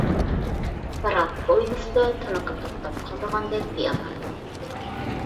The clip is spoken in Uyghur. بىراق، ئويلىسىلا تىنىقى توختاپ قالىدىغاندەك بىئارام بولاتتى.